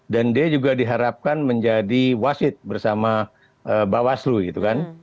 dan dia juga diharapkan menjadi wasit bersama bawaslu gitu kan